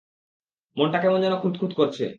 মনটা কেমন যেন খুঁতখুঁত করছে।